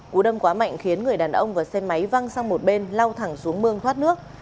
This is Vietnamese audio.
cú đâm quá mạnh khiến người đàn ông và xe máy văng sang một bên lao thẳng xuống mương thoát nước